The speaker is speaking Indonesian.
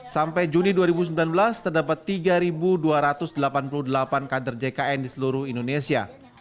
sampai juni dua ribu sembilan belas terdapat tiga dua ratus delapan puluh delapan kader jkn di seluruh indonesia